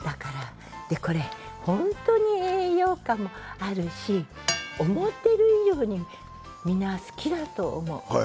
これ本当に栄養価もあるし思っている以上にみんな好きだと思う。